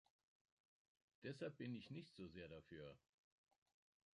Deshalb bin ich nicht so sehr dafür.